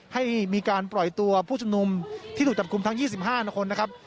ให้มีการปล่อยตัวผู้ชุมนุมที่ถูกจับกลุ่มทั้ง๒๕คนนะครับ